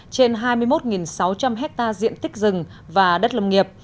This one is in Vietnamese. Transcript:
trên hai mươi một sáu trăm linh hectare diện tích rừng và đất lâm nghiệp